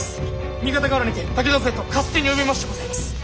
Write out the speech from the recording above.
三方ヶ原にて武田勢と合戦に及びましてございます。